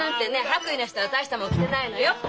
白衣の下は大したもん着てないのよ。